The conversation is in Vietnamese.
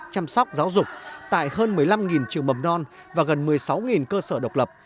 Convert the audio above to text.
chăm sóc giáo dục tại hơn một mươi năm trường mầm non và gần một mươi sáu cơ sở độc lập